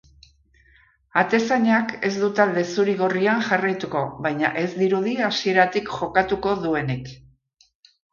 Atezainak ez du talde zuri-gorrian jarraituko, baina ez dirudi hasieratik jokatuko duenik.